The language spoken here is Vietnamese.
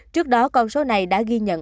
trước đó con số này đã ghi nhận